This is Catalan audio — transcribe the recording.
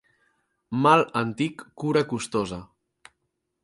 Mal antic, cura costosa.